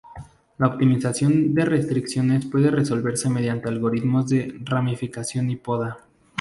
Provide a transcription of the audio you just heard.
La optimización de restricciones puede resolverse mediante algoritmos de Ramificación y poda.